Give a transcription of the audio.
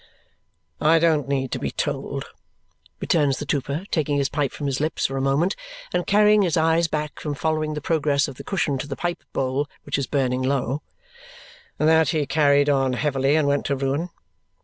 "I don't need to be told," returns the trooper, taking his pipe from his lips for a moment and carrying his eyes back from following the progress of the cushion to the pipe bowl which is burning low, "that he carried on heavily and went to ruin.